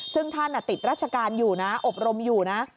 ซึ่งท่านติดราชการอยู่นะอบรมอยู่นะ